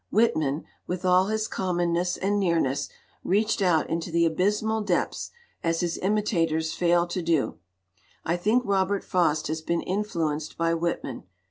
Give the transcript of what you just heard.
Whitman, with all his commonness and nearness, reached out into the abysmal depths, as his imitators fail to do. I think Robert Frost has been influenced by Whitman.